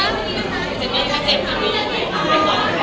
ที่เจนนี่ของกล้องนี้นะคะ